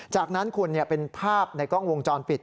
จากนั้นคุณเป็นภาพในกล้องวงจรปิด